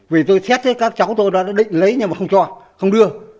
vì tôi xét các cháu tôi đã định lấy nhưng mà không cho không đưa